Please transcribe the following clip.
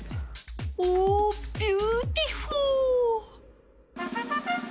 おビューティフォー！